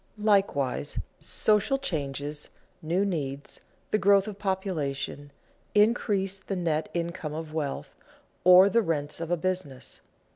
Likewise, social changes, new needs, the growth of population, increase the net income of wealth, or the rents of a business.